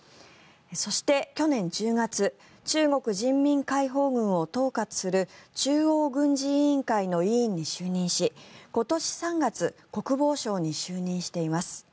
そして、去年１０月中国人民解放軍を統括する中央軍事委員会の委員に就任し今年３月国防相に就任しています。